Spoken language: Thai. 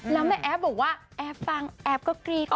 แล้วแม่แอฟบอกว่าแอฟฟังแอฟก็กรี๊ด